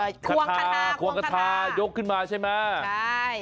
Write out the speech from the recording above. ข่วงคาท่าข่วงคาท่ายกขึ้นมาใช่ไหม